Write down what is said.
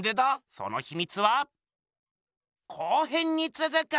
そのひみつは後編につづく！